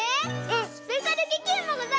えっ？